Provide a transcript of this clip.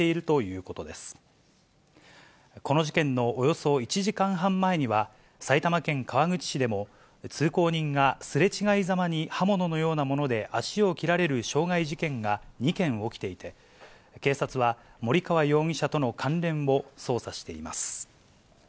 この事件のおよそ１時間半前には、埼玉県川口市でも通行人がすれ違いざまに刃物のようなもので足を切られる傷害事件が２件起きていて、警察は、森川容疑者との関連を捜査しています。